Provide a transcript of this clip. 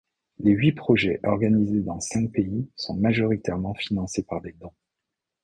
Les huit projets, organisés dans cinq pays, sont majoritairement financés par des dons.